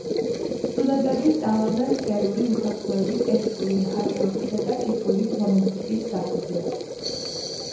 სტუდენტები სწავლობენ ქსელური უსაფრთხოების, ეთიკური ჰაკერობისა და ციფრული ფორენზიკის საფუძვლებს.